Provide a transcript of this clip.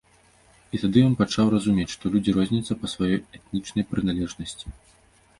І тады ён пачаў разумець, што людзі розняцца па сваёй этнічнай прыналежнасці.